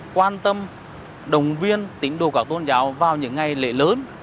quan tâm đồng viên tính đồ các tôn giáo vào những ngày lễ lớn